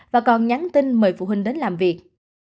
và còn nhắn tin mời phụ huynh đến làm việc